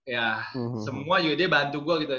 ya semua juga dia bantu gue gitu